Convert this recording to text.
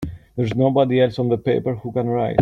There's nobody else on the paper who can write!